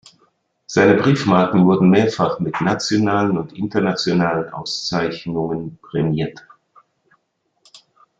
Seine Briefmarken wurden mehrfach mit nationalen und internationalen Auszeichnungen prämiert.